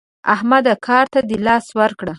احمده کار ته دې لاس ورکړ؟